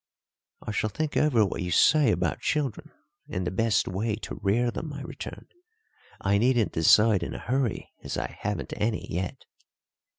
"I shall think over what you say about children, and the best way to rear them," I returned. "I needn't decide in a hurry, as I haven't any yet."